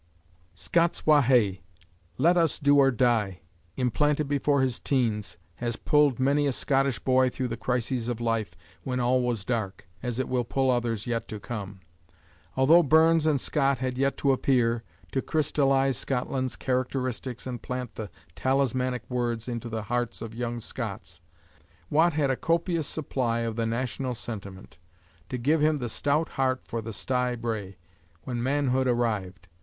"Scots wa hae," "Let us do or die," implanted before his teens, has pulled many a Scottish boy through the crises of life when all was dark, as it will pull others yet to come. Altho Burns and Scott had yet to appear, to crystallise Scotland's characteristics and plant the talismanic words into the hearts of young Scots, Watt had a copious supply of the national sentiment, to give him the "stout heart for the stye brae," when manhood arrived.